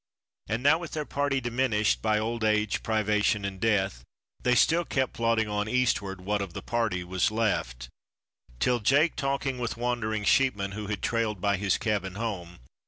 And now with their party diminished by old age, privation and death, They still kept plodding on eastward, what of the party was left Till Jake talking with wandering sheepmen, who had trailed by his cabin home.